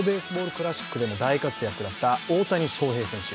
クラシックでも大活躍だった大谷翔平選手